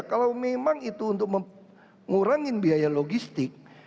kalau memang itu untuk mengurangi biaya logistik